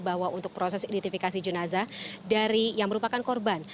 bahwa untuk proses identifikasi jenazah dari yang merupakan korban